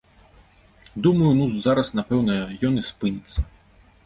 Думаю, ну, зараз, напэўна, ён і спыніцца.